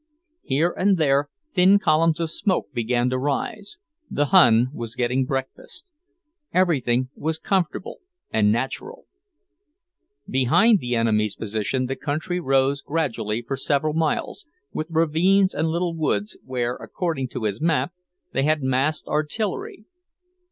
Here and there thin columns of smoke began to rise; the Hun was getting breakfast; everything was comfortable and natural. Behind the enemy's position the country rose gradually for several miles, with ravines and little woods, where, according to his map, they had masked artillery.